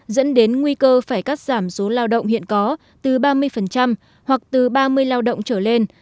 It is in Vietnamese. dẫn đến nguy cơ phải cắt giảm số lao động hiện có từ ba mươi hoặc từ ba mươi lao động trở lên